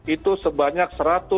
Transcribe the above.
itu sebanyak satu ratus sembilan